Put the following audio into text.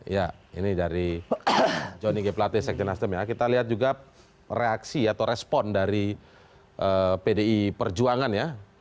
ya ini dari johnny g plate sekjen nasdem ya kita lihat juga reaksi atau respon dari pdi perjuangan ya